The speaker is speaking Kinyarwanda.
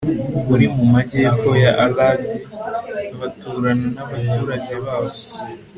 buri mu majyepfo ya aradi,+ baturana n'abaturage baho